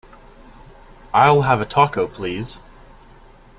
I'll have a Taco, please.